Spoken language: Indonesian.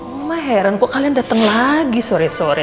mama heran kok kalian datang lagi sore sore